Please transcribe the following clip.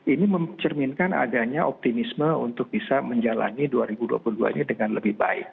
ini mencerminkan adanya optimisme untuk bisa menjalani dua ribu dua puluh dua ini dengan lebih baik